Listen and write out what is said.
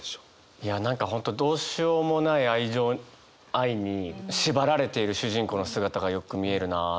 いや何か本当どうしようもない愛情愛に縛られている主人公の姿がよく見えるなと。